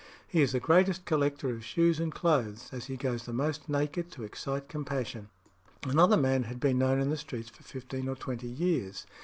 He is the greatest collector of shoes and clothes, as he goes the most naked to excite compassion." Another man had been known in the streets for fifteen or twenty years.